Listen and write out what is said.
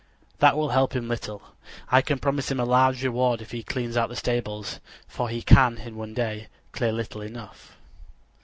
That will help him little. I can promise him a large reward if he cleans out the stables, for he can in one day clear little enough."